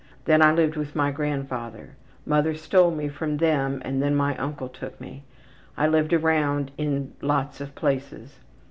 Then I lived with my grandfather. Mother stole me from them and then my uncle took me. I lived around in lots of places.